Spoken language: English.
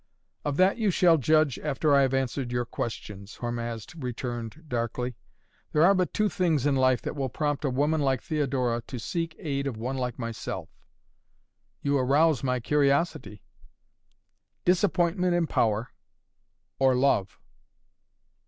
"Of that you shall judge after I have answered your questions," Hormazd returned darkly. "There are but two things in life that will prompt a woman like Theodora to seek aid of one like myself." "You arouse my curiosity!" "Disappointment in power or love!"